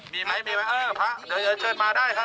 มีไหมพระเดี๋ยวเชิญมาได้ครับ